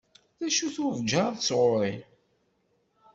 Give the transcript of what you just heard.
D acu turǧaḍ sɣuṛ-i?